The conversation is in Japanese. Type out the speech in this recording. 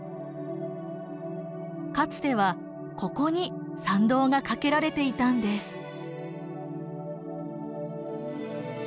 かつてはここに桟道がかけられていたんです。